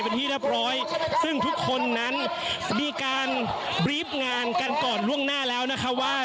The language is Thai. เป็นที่เรียบร้อยซึ่งทุกคนนั้นมีการบรีฟงานกันก่อนล่วงหน้าแล้วนะคะว่า